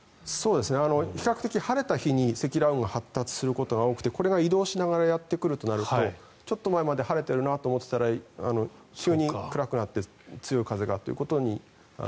比較的晴れた日に積乱雲が発達することが多くてこれが移動しながらやってくるとなるとちょっと前まで晴れているなと思っていたら急に暗くなって強い風がということに。